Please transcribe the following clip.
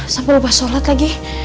sampai lupa sholat lagi